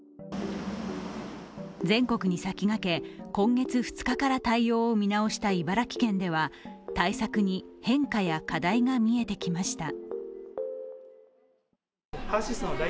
全国に先駆け、今月２日から対応を見直した茨城県では、対策に変化や課題が見えてきました。